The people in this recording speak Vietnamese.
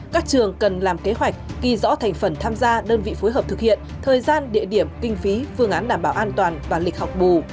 các trường cần làm kế hoạch ghi rõ thành phần tham gia đơn vị phối hợp thực hiện thời gian địa điểm kinh phí phương án đảm bảo an toàn và lịch học bù